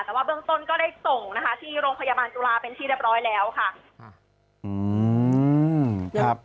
แต่ว่าเบื้องต้นก็ได้ส่งนะคะที่โรงพยาบาลจุฬาเป็นที่เรียบร้อยแล้วค่ะ